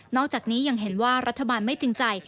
อกจากนี้ยังเห็นว่ารัฐบาลไม่จริงใจ